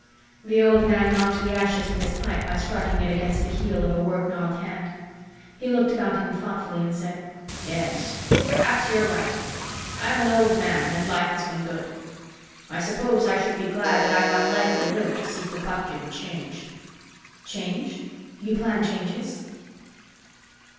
The old man knocked the ashes from his pipe by striking it against the heel of a work gnarled hand. He looked about him thoughtfully and said, "Yes, perhaps you're right. I am an old man and life has been good. I suppose I should be glad that I'll unlikely live to see Kropotkin change." "Change? You plan changes?"